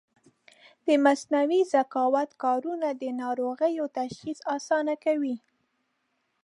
د مصنوعي ذکاوت کارونه د ناروغیو تشخیص اسانه کوي.